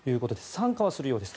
参加はするようです。